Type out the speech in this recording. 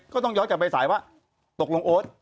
ก็ต้องย้อนกลับไปสายว่าตกลงโอ๊ต